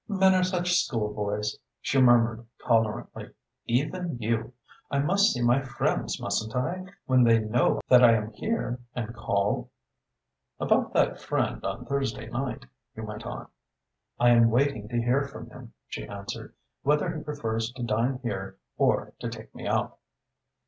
"Men are such schoolboys," she murmured tolerantly. "Even you! I must see my friends, mustn't I, when they know that I am here and call?" "About that friend on Thursday night?" he went on. "I am waiting to hear from him," she answered, "whether he prefers to dine here or to take me out."